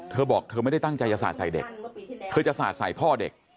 เธอบอกเธอไม่ได้ตั้งใจจะสาดใส่เด็กเธอจะสาดใส่พ่อเด็ก